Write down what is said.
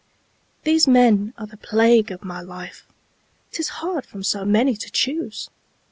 These men are the plague of my life: 'Tis hard from so many to choose!